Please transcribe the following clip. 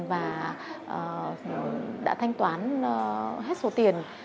và đã thanh toán hết số tiền